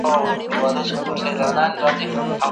دغه نرمغالی چي دی، د پوهني په مابينځ کي یو انقلاب دی.